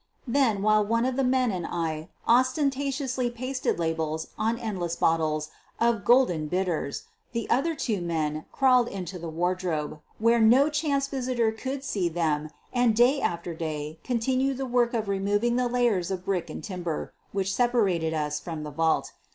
Then, while one of the men and I ostentatiously pasted labels on endless bottles of " Golden Bit ters," the other two men crawled into the wardrobe where no chance visitor could see them and day after day continued the work of removing the layers of brick and timber which separated us from the vault.